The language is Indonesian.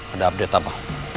ada update apa